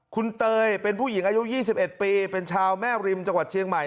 คุณเตยเป็นผู้หญิงอายุ๒๑ปีเป็นชาวแม่ริมจังหวัดเชียงใหม่